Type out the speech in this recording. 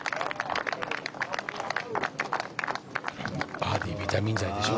バーディービタミン剤でしょ。